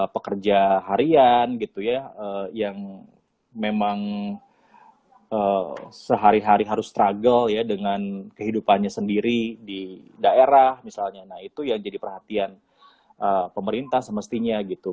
pekerja harian gitu ya yang memang sehari hari harus struggle ya dengan kehidupannya sendiri di daerah misalnya nah itu yang jadi perhatian pemerintah semestinya gitu